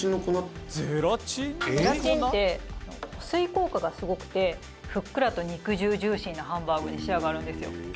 「ゼラチンって保水効果がすごくてふっくらと肉汁ジューシーなハンバーグに仕上がるんですよ」